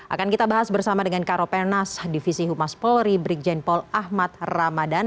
akan kita bahas bersama dengan karo pernas divisi humas polri brikjen pol ahmad ramadhan